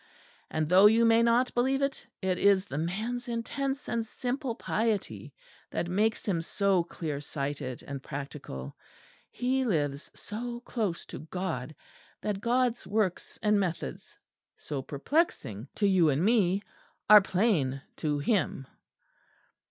And, though you may not believe it, it is the man's intense and simple piety that makes him so clear sighted and practical; he lives so close to God that God's works and methods, so perplexing to you and me, are plain to him."